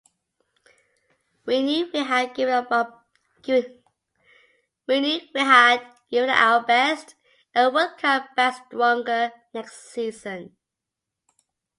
We knew we had given our best and would come back stronger next season.